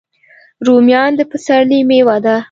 رومیان د پسرلي میوه ده